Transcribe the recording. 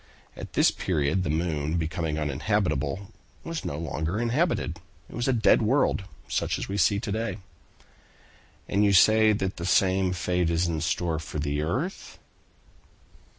At this period the moon becoming uninhabitable, was no longer inhabited. It was a dead world, such as we see it to day." "And you say that the same fate is in store for the earth?"